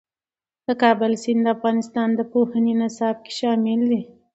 د کابل سیند د افغانستان د پوهنې نصاب کې شامل دي.